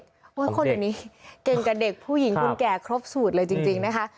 คนเดี๋ยวนี้เก่งกับเด็กผู้หญิงคนแก่ครบสูตรเลยจริงนะคะ